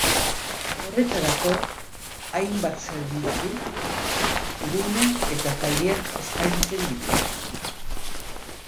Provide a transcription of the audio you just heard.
Horretarako, hainbat zerbitzu, gune eta tailer eskaintzen ditu.